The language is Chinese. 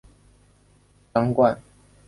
张瓘是太原监军使张承业的侄子。